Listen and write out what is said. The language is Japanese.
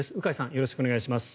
よろしくお願いします。